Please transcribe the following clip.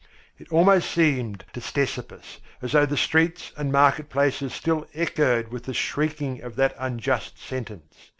It almost seemed to Ctesippus as though the streets and market places still echoed with the shrieking of that unjust sentence.